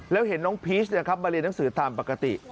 แล้วเห็นน้องพีชมาเรียนหนังสือตามปกติ